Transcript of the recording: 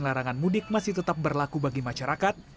larangan mudik masih tetap berlaku bagi masyarakat